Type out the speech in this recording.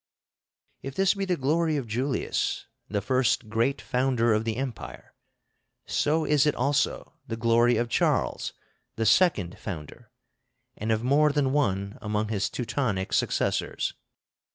If this be the glory of Julius, the first great founder of the Empire, so is it also the glory of Charles, the second founder, and of more than one among his Teutonic successors.